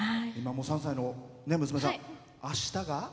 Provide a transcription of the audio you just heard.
３歳の娘さんあしたが。